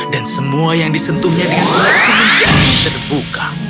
dan semua yang disentuhnya dengan berat semuanya terbuka